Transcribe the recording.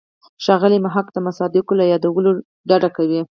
ښاغلی محق د مصادقو له یادولو ډډه کوي.